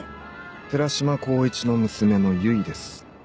寺島光一の娘の唯です。